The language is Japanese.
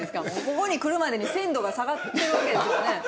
ここに来るまでに鮮度が下がってるわけですよね。